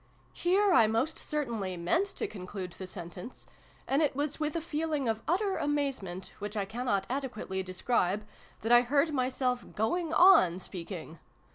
Here I most certainly meant to conclude the sentence: and it was with a feeling of utter amazement, which I cannot adequately describe, that I heard myself going on speaking.